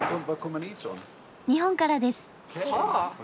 日本からです。